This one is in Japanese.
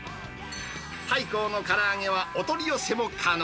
太閤のから揚げはお取り寄せも可能。